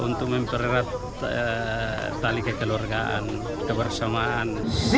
untuk mempererat tali kekeluargaan kebersamaan